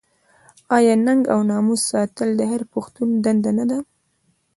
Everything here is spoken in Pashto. آیا ننګ او ناموس ساتل د هر پښتون دنده نه ده؟